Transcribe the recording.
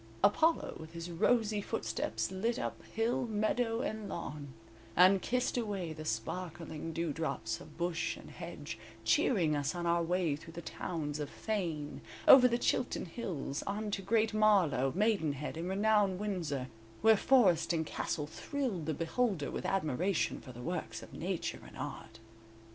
Apollo with his rosy footsteps lit up hill, meadow and lawn, and kissed away the sparkling dewdrops of bush and hedge, cheering us on our way through the towns of Thane, over the Chilton Hills, on to Great Marlow, Maidenhead and renowned Windsor, where forest and castle thrilled the beholder with admiration for the works of Nature and Art.